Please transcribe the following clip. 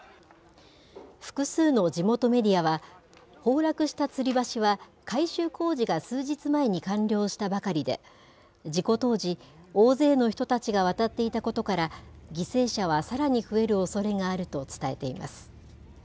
複数の地元メディアは、崩落したつり橋は改修工事が数日前に完了したばかりで、事故当時、大勢の人たちが渡っていたことから、犠牲者はさらに増えるおそれがあると伝えています。